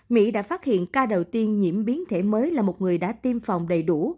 mỹ đã phát hiện ca đầu tiên nhiễm biến thể mới là một người đã tiêm phòng đầy đủ